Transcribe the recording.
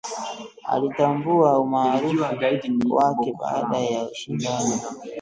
Alitambua umaarifu wake baada ya shindano